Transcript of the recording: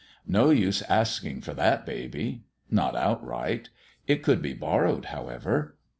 No use asking for that baby ! Not outright. It could be borrowed, however.